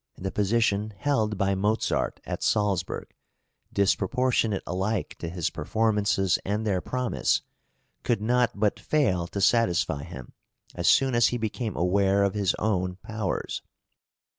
The position held by Mozart at Salzburg, disproportionate alike to his performances and their promise, could not but fail to satisfy him as soon as he became aware of his own powers.